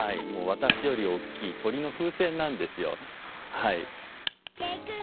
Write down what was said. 私より大きい鳥の風船なんですよはい。